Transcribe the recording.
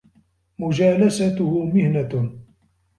مُجَالَسَتُهُ مِهْنَةٌ